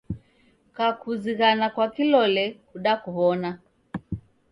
Kakuzighana kwa kilole kudakuw'ona